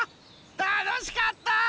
たのしかった！